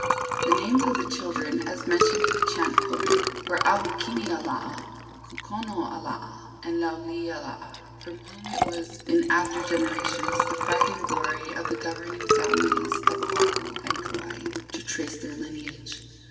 The names of the children, as mentioned in the chant quoted, were Ahukini a Laa, Kukona a Laa, and Lauli a Laa, from whom it was in after generations the pride and glory of the governing families of Oahu and Kauai to trace their lineage.